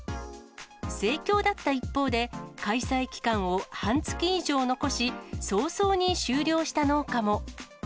盛況だった一方で、開催期間を半月以上残し、早々に終了した農家も。